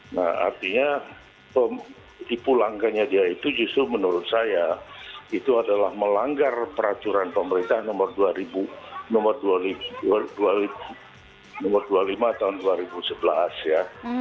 nah artinya dipulangkannya dia itu justru menurut saya itu adalah melanggar peraturan pemerintah nomor dua puluh lima tahun dua ribu sebelas ya